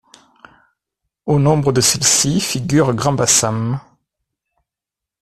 Au nombre de celles-ci, figure Grand-Bassam.